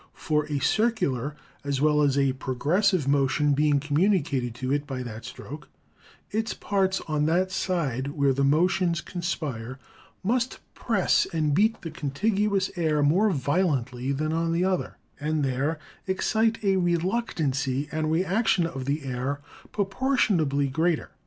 For, a circular as well as a progressive motion being communi cated to it by that stroke, its parts on that side, where the motions conspire, must press and beat the contiguous air more violently than on the other, and there excite a reluct ancy and reaction of the air proportionably greater.